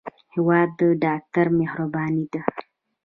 هېواد د ډاکټر مهرباني ده.